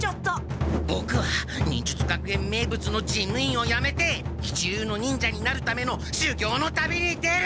ボクは忍術学園名物の事務員をやめて一流の忍者になるためのしゅぎょうの旅に出る！